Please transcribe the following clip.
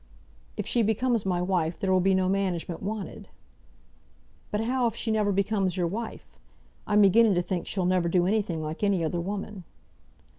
"If she becomes my wife there will be no management wanted." "But how if she never becomes your wife? I'm beginning to think she'll never do anything like any other woman."